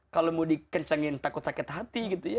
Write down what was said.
kalau mau dikencengin takut sakit hati gitu ya